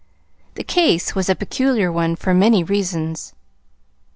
The case was a peculiar one for many reasons.